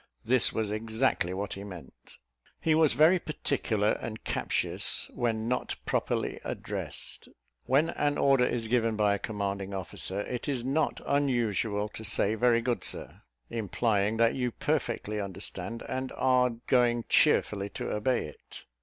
This was exactly what he meant. He was very particular and captious when not properly addressed. When an order is given by a commanding officer, it is not unusual to say, "Very good, Sir;" implying that you perfectly understand, and are going cheerfully to obey it.